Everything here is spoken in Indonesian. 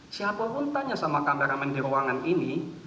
siapapun tanya sama kameramen di ruangan ini